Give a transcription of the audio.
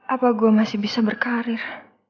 apa gua masih bisa berkarir